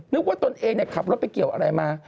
ว่าตนเองขับรถไปเกี่ยวอะไรมา